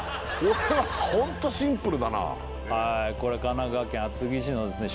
これはホントシンプルだなこれ神奈川県厚木市のですね